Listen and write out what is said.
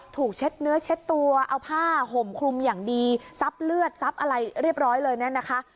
เช็ดเนื้อเช็ดตัวเอาผ้าห่มคลุมอย่างดีซับเลือดซับอะไรเรียบร้อยเลยเนี่ยนะคะ